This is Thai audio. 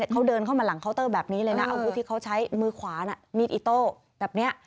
เขาเดินเข้ามาหลังเคาน์เตอร์แบบนี้เลยนะอาวุธที่เขาใช้มือขวาน่ะมีดอิโต้แบบนี้